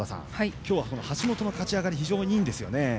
今日は橋本の立ち上がりが非常にいいんですよね。